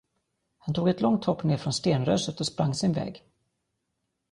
Han tog ett långt hopp ner från stenröset och sprang sin väg.